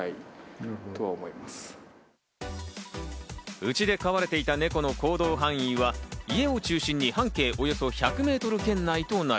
家で飼われていたネコの行動範囲は家を中心に半径およそ１００メートル圏内となる。